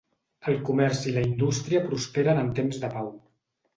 El comerç i la indústria prosperen en temps de pau.